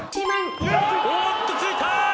おっとついた！